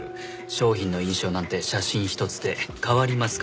商品の印象なんて写真ひとつで変わりますからね。